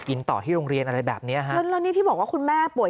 ต่อที่โรงเรียนอะไรแบบเนี้ยฮะแล้วแล้วนี่ที่บอกว่าคุณแม่ป่วย